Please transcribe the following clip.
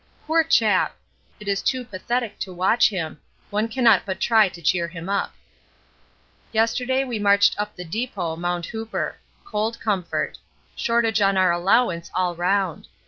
Poor chap! it is too pathetic to watch him; one cannot but try to cheer him up. Yesterday we marched up the depot, Mt. Hooper. Cold comfort. Shortage on our allowance all round.